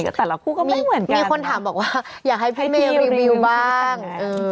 แต่ละคู่ก็ไม่เหมือนกันนะให้พี่เรียลรีวิวบ้างมีคนถามบอกว่าอยากให้พี่เรียลรีวิวบ้าง